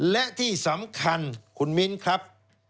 และที่สำคัญคุณมิ้นครับ